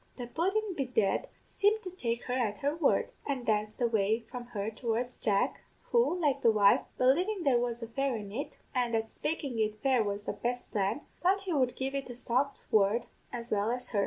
"The pudden, bedad, seemed to take her at her word, and danced away from her towards Jack, who, like the wife, believin' there was a fairy in it, an' that spakin' it fair was the best plan, thought he would give it a soft word as well as her.